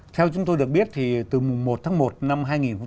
theo chúng tôi được biết thì từ mùng một tháng một năm hai nghìn một mươi tám